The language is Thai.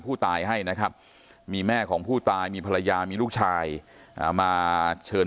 ผู้ตายให้นะครับมีแม่ของผู้ตายมีภรรยามีลูกชายมาเชิญ